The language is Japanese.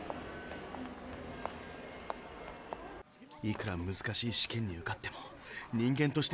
いくら難しい試験に受かっても人間として失格だよ。